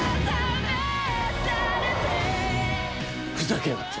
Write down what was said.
ふざけやがって。